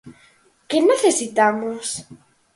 ¿Que necesitamos?